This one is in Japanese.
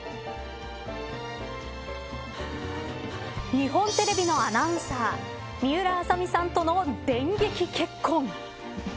日本テレビのアナウンサー水ト麻美さんとの電撃結婚。